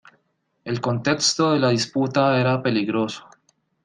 El contexto de la disputa era peligroso.